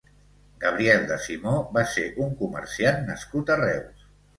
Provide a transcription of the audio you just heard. Gabriel de Simó va ser un comerciant nascut a Reus.